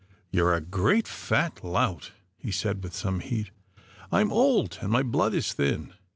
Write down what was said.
" You're a great, fat lout," he said with some heat. " I'm old, and my blood is thin.